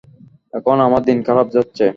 এখন আমার দিন খারাপ যাচ্ছে।